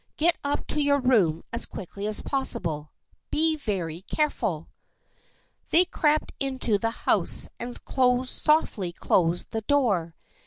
Get up to your room as quickly as possible. Be very careful." They crept into the house and softly closed the door.